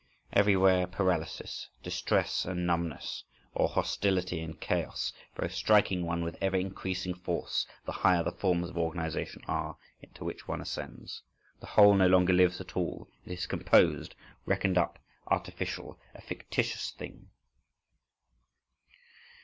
Everywhere paralysis, distress, and numbness, or hostility and chaos both striking one with ever increasing force the higher the forms of organisation are into which one ascends. The whole no longer lives at all: it is composed, reckoned up, artificial, a fictitious thing.